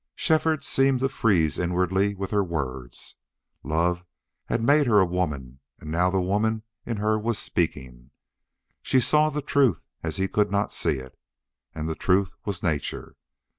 Shefford seemed to freeze inwardly with her words. Love had made her a woman and now the woman in her was speaking. She saw the truth as he could not see it. And the truth was nature.